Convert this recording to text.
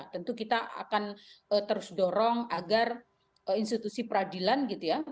tentu kita akan terus dorong agar institusi peradilan gitu ya